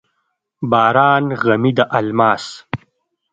باران غمي د الماس،